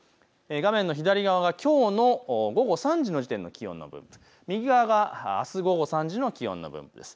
画面の左側がきょうの午後３時の時点の気温の分布、右側があす午後３時の気温の分布です。